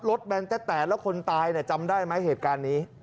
แบนแต๊ดแล้วคนตายจำได้ไหมเหตุการณ์นี้